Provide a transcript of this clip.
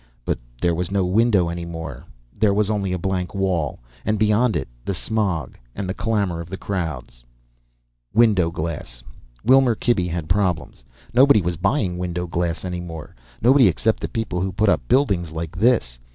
But there was no window any more. There was only a blank wall. And beyond it, the smog and the clamor and the crowds. Window glass. Wilmer Klibby had problems. Nobody was buying window glass any more. Nobody except the people who put up buildings like this.